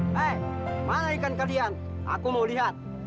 hei mana ikan kalian aku mau lihat